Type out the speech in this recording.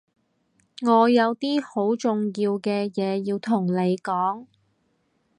我有啲好重要嘅嘢要同你講